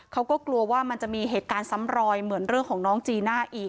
เขาก็กลัวว่ามันจะมีเหตุการณ์ซ้ำรอยเหมือนเรื่องของน้องจีน่าอีก